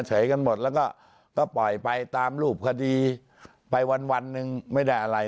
กันหมดแล้วก็ปล่อยไปตามรูปคดีไปวันหนึ่งไม่ได้อะไร